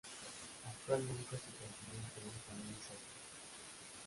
Actualmente su presidente es Daniel Sotto.